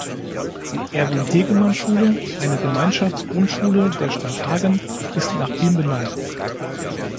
Die "Erwin Hegemann Schule", eine Gemeinschaftsgrundschule der Stadt Hagen, ist nach ihm benannt.